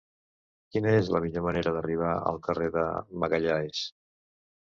Quina és la millor manera d'arribar al carrer de Magalhães?